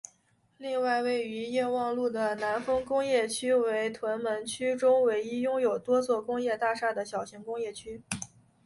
另外位于业旺路的南丰工业城为屯门区中唯一拥有多座工业大厦的小型工业区。